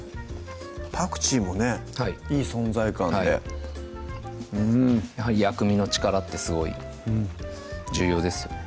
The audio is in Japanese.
パクチーもねいい存在感ではいやはり薬味の力ってすごい重要ですよね